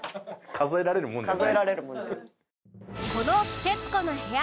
数えられるものじゃない。